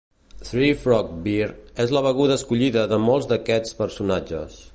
"Tree Frog Beer" és la beguda escollida de molts d'aquests personatges.